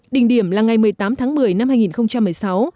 đỉnh điểm là ngày một mươi tám tháng một mươi năm hai nghìn một mươi sáu